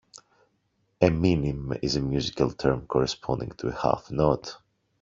A minim is a musical term corresponding to a half note.